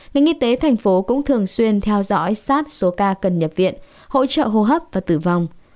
ngành y tế thành phố cũng thường xuyên theo dõi sát số ca cần nhập viện hỗ trợ hô hấp và tử vong